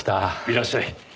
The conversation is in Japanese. いらっしゃい。